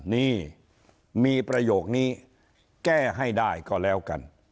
นี่มีประโยคนี้แก้ให้ได้ก็แล้วกัน